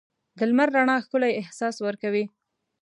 د لمر رڼا ښکلی احساس ورکوي.